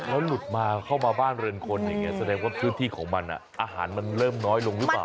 แล้วหลุดมาเข้ามาบ้านเรือนคนอย่างนี้แสดงว่าพื้นที่ของมันอาหารมันเริ่มน้อยลงหรือเปล่า